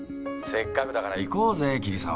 せっかくだから行こうぜ桐沢。